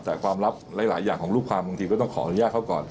แต่ความลับหลายอย่างของลูกความบางทีก็ต้องขออนุญาตเขาก่อน